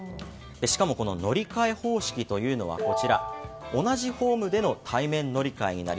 しかも、乗り換え方式が同じホームでの対面乗り換えです。